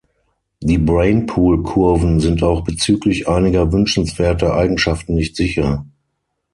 Die Brainpool-Kurven sind auch bezüglich einiger wünschenswerter Eigenschaften nicht sicher.